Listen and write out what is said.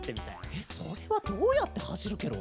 えっそれはどうやってはしるケロ？